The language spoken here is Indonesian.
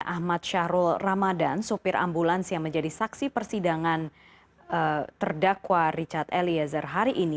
ahmad syahrul ramadan sopir ambulans yang menjadi saksi persidangan terdakwa richard eliezer hari ini